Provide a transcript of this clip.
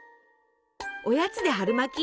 おやつで春巻き？